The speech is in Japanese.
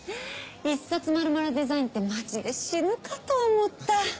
１冊まるまるデザインってマジで死ぬかと思った。